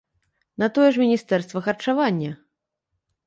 На тое ж міністэрства харчавання!